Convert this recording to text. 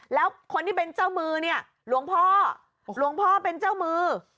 แล้วคนที่เป็นเจ้ามือเนี่ยหลวงพ่อหลวงพ่อเป็นเจ้ามือ